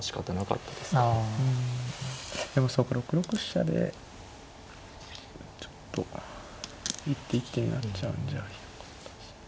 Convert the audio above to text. でもそうか６六飛車でちょっと一手一手になっちゃうんじゃひどかったですね。